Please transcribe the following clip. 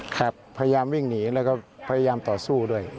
พยายามวิ่งหนีแล้วก็พยายามต่อสู้ด้วย